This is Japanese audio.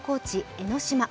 江の島。